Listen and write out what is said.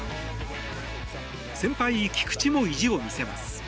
先輩・菊池も意地を見せます。